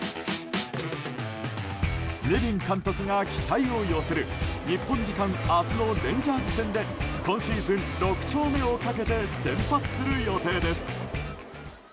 ネビン監督が期待を寄せる日本時間明日のレンジャーズ戦で今シーズン６勝目をかけて先発する予定です。